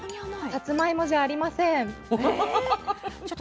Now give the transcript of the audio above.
さつまいもじゃありません。